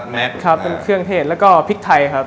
แมทครับเป็นเครื่องเทศแล้วก็พริกไทยครับ